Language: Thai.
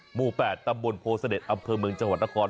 หมู่๘ตำบลโพเสด็จอำเภอเมืองจังหวัดนคร